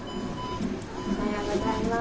おはようございます。